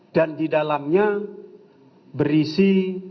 dan di dalamnya berisi